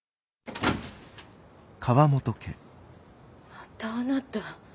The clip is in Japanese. またあなた。